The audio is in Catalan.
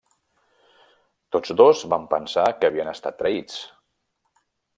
Tots dos van pensar que havien estat traïts.